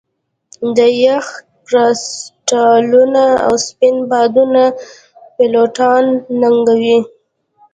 د یخ کرسټالونه او سپین بادونه پیلوټان ننګوي